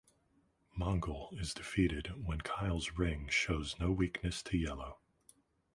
Mongul is defeated when Kyle's ring shows no weakness to yellow.